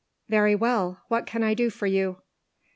"Very well. What can I do for you?"